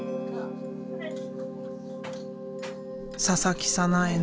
佐々木早苗の